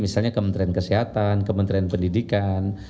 misalnya kementerian kesehatan kementerian pendidikan